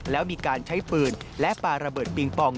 แล้วมีการใช้ปืนและปลาระเบิดปิงปอง